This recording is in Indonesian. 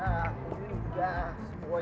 jangan lupa subscribe channel ini